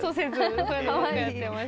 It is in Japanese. そういうのばっかやってました。